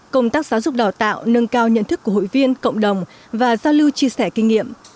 công tác giáo dục đào tạo nâng cao nhận thức của hội viên cộng đồng và giao lưu chia sẻ kinh nghiệm